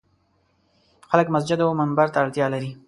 خلک مسجد او منبر ته اړتیا لري.